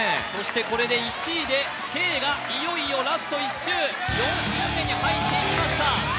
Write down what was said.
これで１位でＫがいよいよラスト１周、４周目に入っていきました。